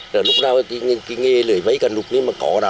rồi lúc nào cái nghề lưỡi vây cần rút như mà có ra